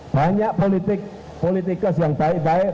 banyak politik politikus yang baik baik